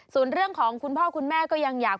ส่วนเรื่องของคุณพ่อคุณแม่ก็ยังอยาก